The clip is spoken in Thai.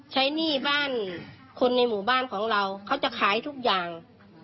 หนี้บ้านคนในหมู่บ้านของเราเขาจะขายทุกอย่าง